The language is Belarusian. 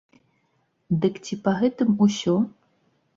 Дык ці па гэтым усё?